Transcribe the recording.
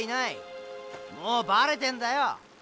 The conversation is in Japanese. もうバレてんだよ。